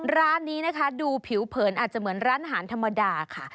ร้านนี้นะคะดูผิวเผินอาจจะเหมือนร้านอาหารธรรมดาค่ะ